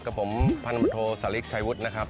กับผมพันธบทโทสาลิกชายวุฒินะครับ